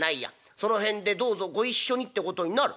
『その辺でどうぞご一緒に』ってことになる。